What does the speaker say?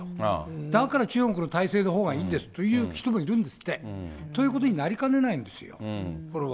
だから、中国の体制のほうがいいんですという人もいるんですって。ということになりかねないんですよ、これは。